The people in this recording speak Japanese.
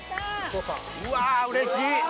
うわうれしい！